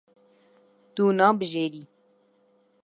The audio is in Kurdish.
Tu nabijêrî.